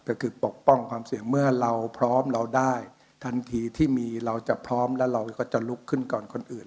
ก็คือปกป้องความเสี่ยงเมื่อเราพร้อมเราได้ทันทีที่มีเราจะพร้อมแล้วเราก็จะลุกขึ้นก่อนคนอื่น